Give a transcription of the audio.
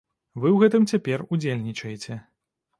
Вы ў гэтым цяпер ўдзельнічаеце.